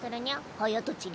早とちり。